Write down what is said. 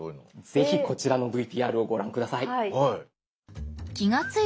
ぜひこちらのＶＴＲをご覧下さい。